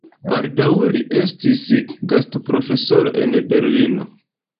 Baldaŭe li estis gastoprofesoro en Berlino.